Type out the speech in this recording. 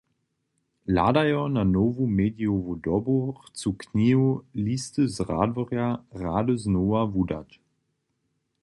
Hladajo na nowu medijowu dobu chcu knihu "Listy z Radworja" rady znowa wudać.